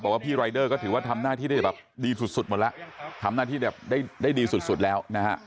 เพราะพี่รายเดอร์ก็ถือว่าทำหน้าที่ดีสุดแล้ว